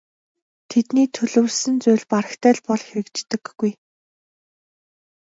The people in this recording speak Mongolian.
Тэдний төлөвлөсөн зүйл барагтай л бол хэрэгждэггүй.